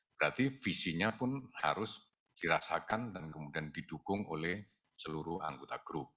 berarti visinya pun harus dirasakan dan kemudian didukung oleh seluruh anggota grup